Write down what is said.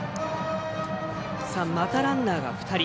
またランナーが２人。